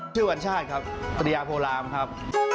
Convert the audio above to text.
วัญชาติครับปริยาโพรามครับ